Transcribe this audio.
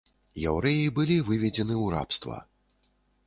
Яўрэі былі выведзены ў рабства.